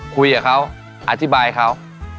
คุยกับเขาอธิบายเขา